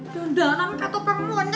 dondalan kakak perempuan